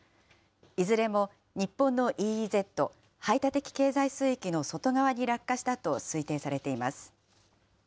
いずれも日本のＥＥＺ・排他的経済水域の外側に落下したと推定されています。